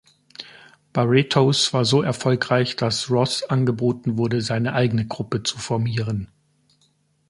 Barreto’s war so erfolgreich, dass Ros angeboten wurde, seine eigene Gruppe zu formieren.